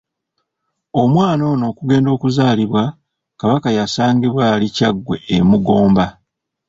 Omwana ono okugenda okuzaalibwa, Kabaka yasangibwa ali Kyaggwe e Mugomba.